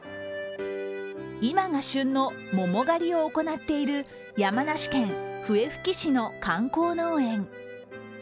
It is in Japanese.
今が旬の桃狩りを行っている山梨県笛吹市の観光農園。